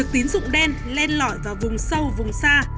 tín dụng đen len lỏi vào vùng sâu vùng xa